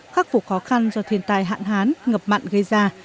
khắc phục khó khăn do thiên tai hạn hán ngập mặn gây ra